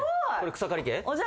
草刈家。